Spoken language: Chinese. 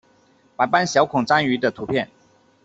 白斑小孔蟾鱼的图片